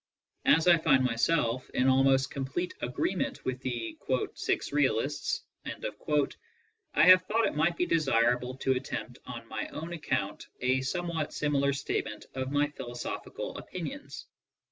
As I find myself in almost complete agreement with the ''six realists/' I have thought it might be desirable to attempt on my own account a some what similar statement of my philosophical opinions.